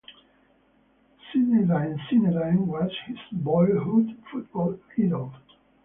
Zinedine Zidane was his boyhood football idol.